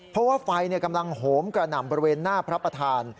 เพราะว่าไฟกำลังโหมกระหน่ำบริเวณหน้าพระประธาน